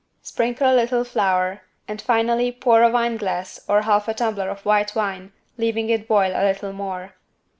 Sprinkle a little flour and finally pour a wineglass (or half a tumbler) of white wine leaving it boil a little more.